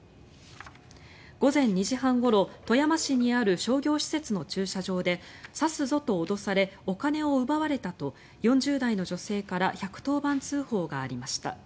午前２時半ごろ富山市にある商業施設の駐車場で刺すぞと脅されお金を奪われたと４０代の女性から１１０番通報がありました。